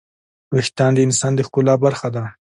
وېښتيان د انسان د ښکلا برخه ده.